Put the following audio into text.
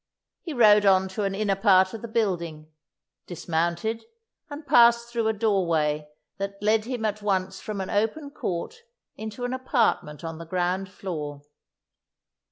He rode on to an inner part of the building, dismounted, and passed through a doorway that led him at once from an open court into an apartment on the ground floor.